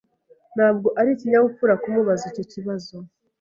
Ntabwo ari ikinyabupfura kumubaza icyo kibazo.